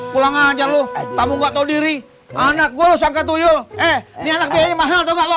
pulang aja lu kamu nggak tahu diri anak gue sampai tuyul eh